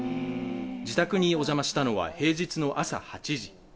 自宅にお邪魔したのは平日の朝８時。